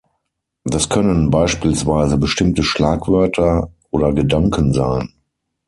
Das können beispielsweise bestimmte Schlagwörter oder Gedanken sein.